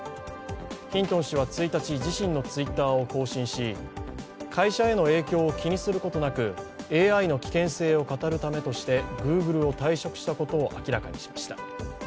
ヒントン氏は１日、自身のＴｗｉｔｔｅｒを更新し、会社への影響を気にすることなくＡＩの危険性を語るためとしてＧｏｏｇｌｅを退職したことを明らかにしました。